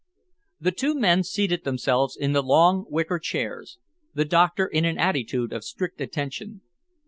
The two men seated themselves in the long, wicker chairs, the doctor in an attitude of strict attention.